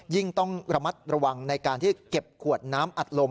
ต้องระมัดระวังในการที่เก็บขวดน้ำอัดลม